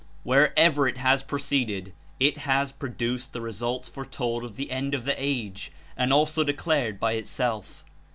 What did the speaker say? Where ever it has proceeded It has produced the results fore told of the "end of the age" and also declared by it self.